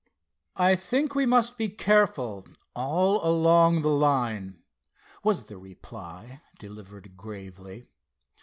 "I think we must be careful all along the line," was the reply, delivered gravely.